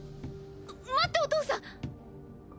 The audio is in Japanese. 待ってお父さん。